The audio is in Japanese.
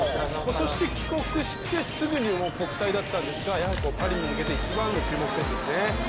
そして帰国してすぐに国体だったんですがやはりパリに向けて一番の注目選手ですね。